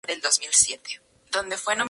Helsinki tiene un clima continental húmedo.